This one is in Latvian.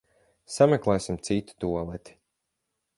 Sameklēsim citu tualeti.